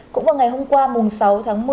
cũng vào ngày hôm qua sáu tháng một mươi